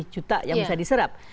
juta yang bisa diserap